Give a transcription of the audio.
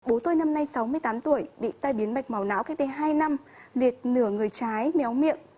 bố tôi năm nay sáu mươi tám tuổi bị tai biến mạch màu não cách đây hai năm liệt nửa người trái méo miệng